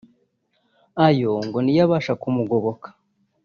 ayo ngo niyo abasha kumugoboka